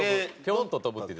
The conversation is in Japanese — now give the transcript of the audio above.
「ピョンと跳ぶ」って。